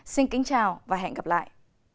xin kính chào và hẹn gặp lại